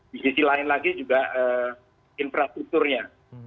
di sisi lain lagi juga infrastrukturnya